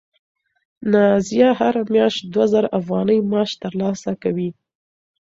نازیه هره میاشت دوه زره افغانۍ معاش ترلاسه کوي.